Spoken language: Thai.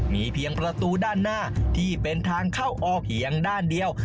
มีเพียงประตูด้านหน้าที่เป็นทางเข้าออกเพียงด้านเดียว